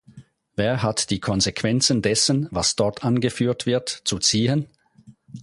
Wer hat die Konsequenzen dessen, was dort angeführt wird, zu ziehen?